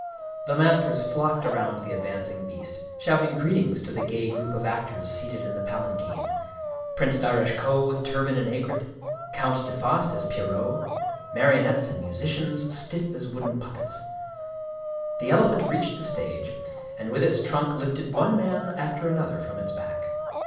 The maskers flocked around the advancing beast, shout ing greetings to the gay group of actors seated in the palan quin ; Prince Darasche Koh with turban and aigrette, Count de Faast as Pierrot, marionettes and musicians, stiff as wooden puppets. The elephant reached the stage, and with its trunk lifted one man after another from its back.